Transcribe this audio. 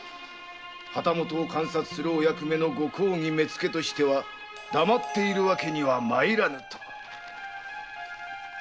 旗本を監察するお役目の御公儀目付としては黙っているわけには参らぬと。